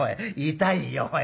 痛いよおい。